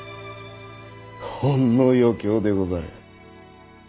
ほんの余興でござる。